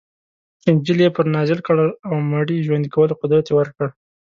انجیل یې پرې نازل کړ او مړي ژوندي کولو قدرت یې ورکړ.